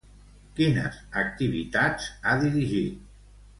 Quines activitats ha dirigit?